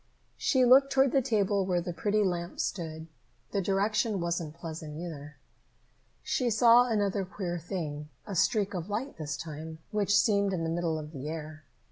She looked toward the table where the pretty lamp stood. That direction wasn't pleasant either. She saw another queer thing, a streak of light this time, which seemed in the middle of the air.